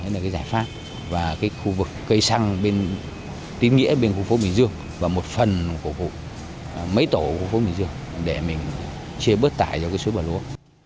là cái giải pháp và cái khu vực cây xăng bên tín nghĩa bên khu phố bình dương và một phần của mấy tổ của khu phố bình dương để mình chia bớt tải cho cái suối bà lúa